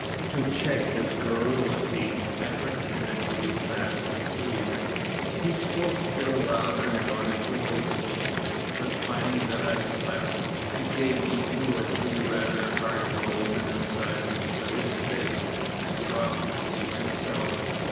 To check his garrulity I pretended to be fast asleep. He spoke still louder in order to wake me; but finding that I slept, he gave me two or three rather hard blows in the side with his fist, and dropped asleep himself.